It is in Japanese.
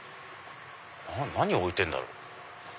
何を置いてんだろう？